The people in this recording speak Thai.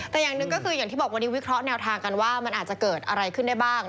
แต่อย่างหนึ่งก็คืออย่างที่บอกวันนี้วิเคราะห์แนวทางกันว่ามันอาจจะเกิดอะไรขึ้นได้บ้าง